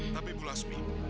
tapi bu lasmi